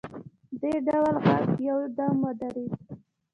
د ډول غږ یو دم ودرېد.